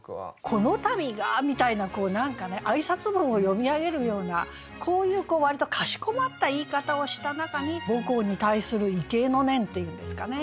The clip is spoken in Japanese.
「このたびが」みたいなこう何かね挨拶文を読み上げるようなこういう割とかしこまった言い方をした中に母校に対する畏敬の念っていうんですかね。